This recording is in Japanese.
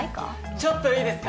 ちょっといいですか？